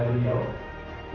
untuk membuatnya lebih baik